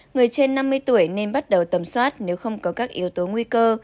người trên năm mươi tuổi nên bắt đầu tầm soát nếu không có các yếu tố nguy cơ